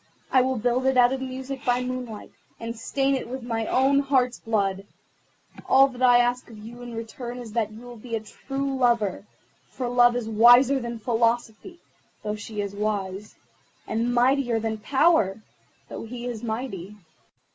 I will build it out of music by moonlight, and stain it with my own heart's blood. All that I ask of you in return is that you will be a true lover, for Love is wiser than Philosophy, though she is wise, and mightier than Power, though he is mighty.